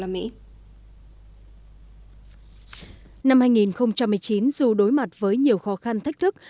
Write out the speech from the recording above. năm hai nghìn một mươi chín dù đối mặt với nhiều khó khăn thách thức